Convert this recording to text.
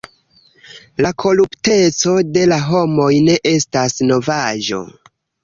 La korupteco de la homoj ne estas novaĵo.